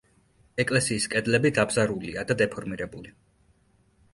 ეკლესიის კედლები დაბზარულია და დეფორმირებული.